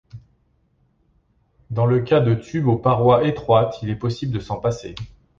Dans le cas de tubes aux parois étroites, il est possible de s’en passer.